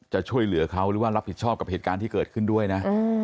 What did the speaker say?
จะช่วยเหลือเขาหรือว่ารับผิดชอบกับเหตุการณ์ที่เกิดขึ้นด้วยนะ